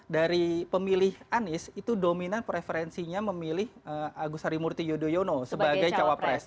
dari pemilih anies itu dominan preferensinya memilih agus harimurti yudhoyono sebagai cawapres